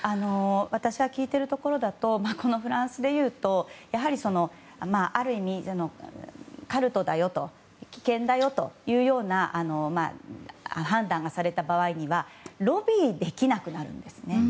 私が聞いているところだとこのフランスでいうとある意味、カルトだよ危険だよというような判断がされた場合にはロビーできなくなるんですね。